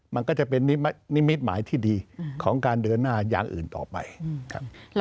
มันก็จะเป็นนิมิตหมายที่ดีของการเดินหน้าอย่างอื่นต่อไปครับ